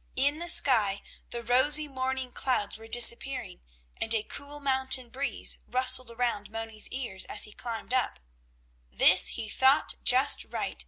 "] In the sky the rosy morning clouds were disappearing and a cool mountain breeze rustled around Moni's ears, as he climbed up. This he thought just right.